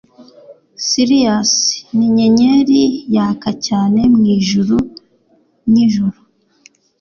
Sirius ninyenyeri yaka cyane mwijuru ryijoro